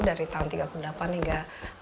dari tahun tiga puluh delapan hingga empat puluh dua